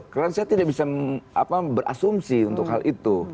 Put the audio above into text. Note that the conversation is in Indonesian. karena saya tidak bisa berasumsi untuk hal itu